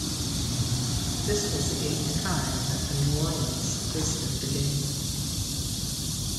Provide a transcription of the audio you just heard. This was the eighth time that New Orleans hosted the game.